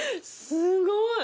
すごい。